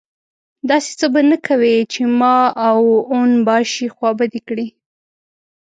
داسې څه به نه کوې چې ما او اون باشي خوابدي کړي.